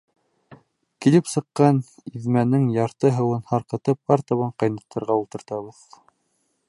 Килеп сыҡҡан иҙмәнең ярты һыуын һарҡытып, артабан ҡайнатырға ултыртабыҙ.